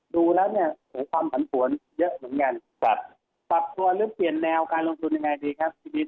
ดูแล้วเนี่ยโหความผันผวนเยอะเหมือนกันครับปรับตัวหรือเปลี่ยนแนวการลงทุนยังไงดีครับชีวิต